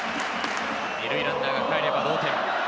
２塁ランナーがかえれば同点。